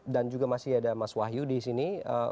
dan juga masih ada mas wahyu di sini